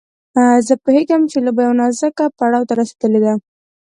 زه پوهېږم چې لوبه يوه نازک پړاو ته رسېدلې ده.